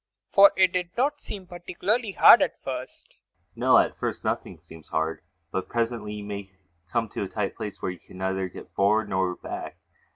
For it did not seem particularly hard at first. ULFHEIM. No, at first nothing seems hard. But presently you may come to a tight place where you can neither get forward nor back.